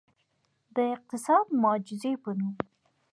د اقتصادي معجزې په نوم.